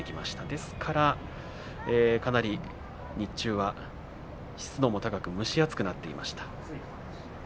ですから、かなり日中は湿度も高く蒸し暑くなっていました。